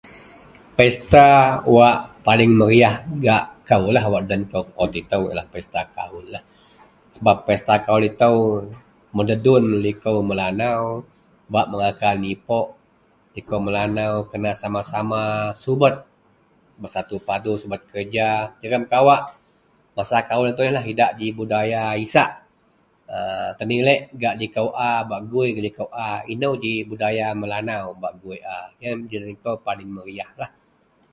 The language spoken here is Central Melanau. Pesta wak paling meriyah gak kou lah wak den kou pawut ito pesta kawul lah sebab pesta kawul ito mededun liko melanau bak mengakan ipok liko melanau kena sama-sama subet bersatu padu subet kerja jegum kawak masa kawul ito iyen lah idak ji budaya isak a tenilek gak liko a bak gui gak liko a ino ji budaya melanau bak gui a iyenlah ji laei kou paling meriyah.